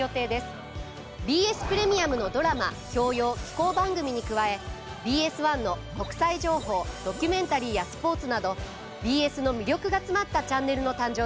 ＢＳプレミアムのドラマ教養紀行番組に加えＢＳ１の国際情報ドキュメンタリーやスポーツなどＢＳの魅力が詰まったチャンネルの誕生です。